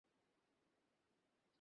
Commander, সে আমাদেরই একজন।